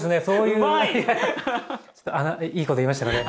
うまい！いいこと言えましたかね？